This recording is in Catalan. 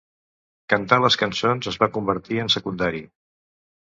Cantar les cançons es va convertir en secundari.